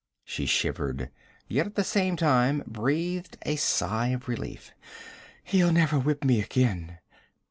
She shivered, yet at the same time breathed a sigh of relief. 'He'll never whip me again.'